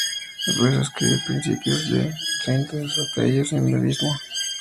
Empezó a escribir a principios de los treinta "Destellos en el abismo".